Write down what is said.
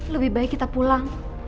lebih baik kita pulang